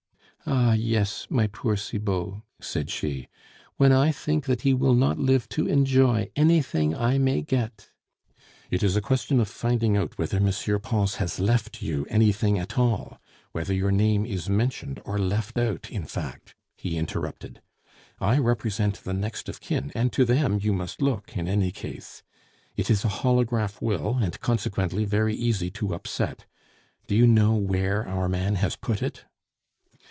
"Ah, yes... my poor Cibot!" said she. "When I think that he will not live to enjoy anything I may get " "It is a question of finding out whether M. Pons has left you anything at all; whether your name is mentioned or left out, in fact," he interrupted. "I represent the next of kin, and to them you must look in any case. It is a holograph will, and consequently very easy to upset. Do you know where our man has put it?"